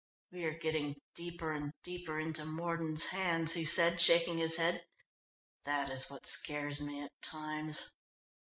"We are getting deeper and deeper into Mordon's hands," he said, shaking his head. "That is what scares me at times."